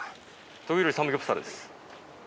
得意料理サムギョプサルです。